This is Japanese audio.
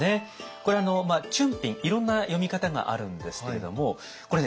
これ春いろんな読み方があるんですけれどもこれね